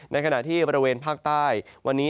ในขณะที่บริเวณภาคใต้